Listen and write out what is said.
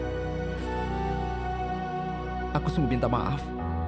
sum aku semua minta maaf